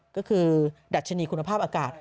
ก็คือดัชนีคุณภาพอากาศ